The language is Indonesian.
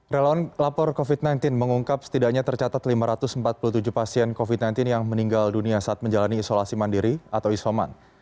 relawan lapor covid sembilan belas mengungkap setidaknya tercatat lima ratus empat puluh tujuh pasien covid sembilan belas yang meninggal dunia saat menjalani isolasi mandiri atau isoman